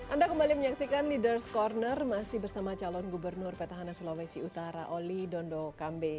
anda kembali menyaksikan leaders' corner masih bersama calon gubernur petahana sulawesi utara olly dondokambe